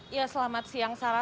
ya selamat siang sarah